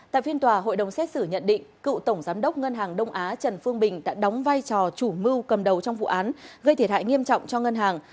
tại phiên tòa hội đồng xét xử nhận định cựu tổng giám đốc ngân hàng đông á trần phương bình đã đóng vai trò chủ mưu cầm đầu trong vụ án gây thiệt hại nghiêm trọng cho ngân hàng